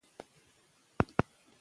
که ژبه ونه ساتو کلتور کمزوری کېږي.